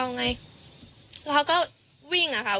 ไปกระทึกประจกครับ